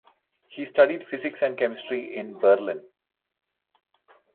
He studied physics and chemistry in Berlin.